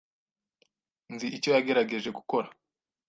Nzi icyo yagerageje gukora.